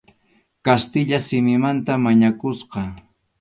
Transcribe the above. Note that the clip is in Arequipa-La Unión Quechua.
Kastilla simimanta mañakusqa.